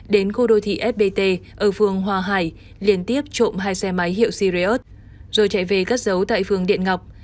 đến khu đô thị fpt ở phường hòa hải liên tiếp trộm hai xe máy hiệu sirius rồi chạy về cắt dấu tại phường điện ngọc